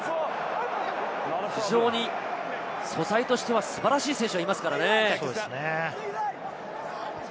非常に素材としては素晴らしい選手がいますからね。